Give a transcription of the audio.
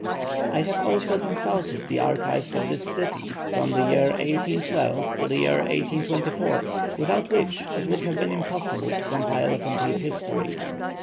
I have also consulted the archives of this city from the year 1812 to the year 1824, without which it would have been impossible to compile a complete history.